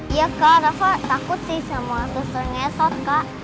iya kak takut sih sama suster ngesot kak